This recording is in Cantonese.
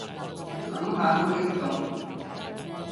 諗下都激動